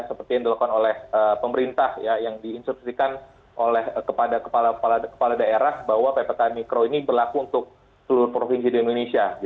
seperti yang dilakukan oleh pemerintah yang diinsubsikan oleh kepada kepala kepala daerah bahwa ppt mikro ini berlaku untuk seluruh provinsi di indonesia